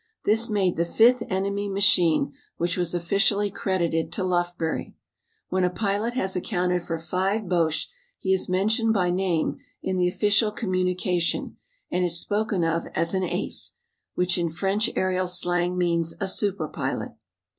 This made the fifth enemy machine which was officially credited to Lufbery. When a pilot has accounted for five Boches he is mentioned by name in the official communication, and is spoken of as an "Ace," which in French aërial slang means a super pilot.